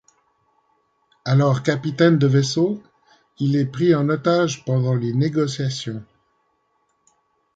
Alors capitaine de vaisseau, il est pris en otage pendant les négociations.